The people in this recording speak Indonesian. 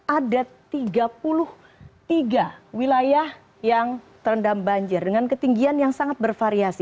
ada tiga puluh tiga wilayah yang terendam banjir dengan ketinggian yang sangat bervariasi